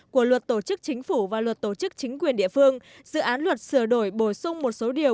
của luật tổ chức chính phủ và luật tổ chức chính quyền địa phương dự án luật sửa đổi bổ sung một số điều